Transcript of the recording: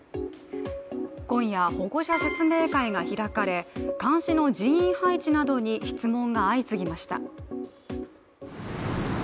今夜、保護者説明会が開かれ、監視の人員配置などに質問が相次ぎました。